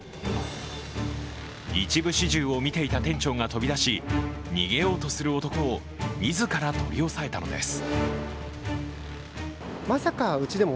一部始終を見ていた店長が飛び出し、逃げようとする男を自ら取り押さえたのです。